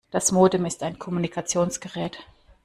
Das Modem ist ein Kommunikationsgerät.